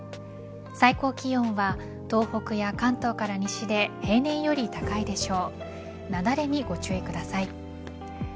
最高気温は東北や関東から西で平年より高いでしょう。